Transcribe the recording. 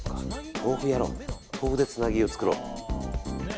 豆腐でつなぎを作ろう。